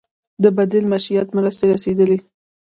د بدیل معیشت مرستې رسیدلي؟